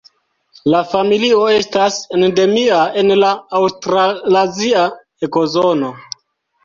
La familio estas endemia en la aŭstralazia ekozono.